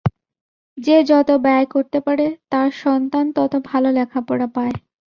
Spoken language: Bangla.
যে যত ব্যয় করতে পারে, তার সন্তান তত ভালো লেখাপড়া পায়।